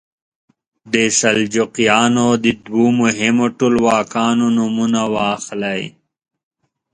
د سلجوقیانو د دوو مهمو ټولواکانو نومونه واخلئ.